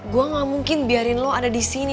gue gak mungkin biarin lo ada disini